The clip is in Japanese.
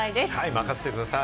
任せてください。